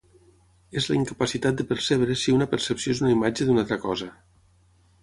És la incapacitat de percebre si una percepció és una imatge d'una altra cosa.